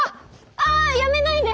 ああやめないで！